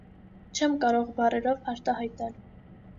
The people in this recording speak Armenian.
Չեմ կարող բառերով արտահայտել…